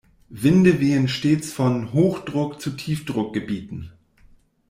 Winde wehen stets von Hochdruck- zu Tiefdruckgebieten.